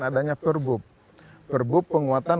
adanya perbup perbup penguatan